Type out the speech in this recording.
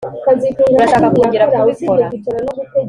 urashaka kongera kubikora